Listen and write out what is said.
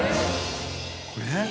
「これ？」